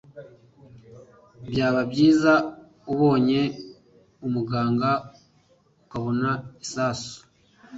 Byaba byiza ubonye umuganga ukabona isasu.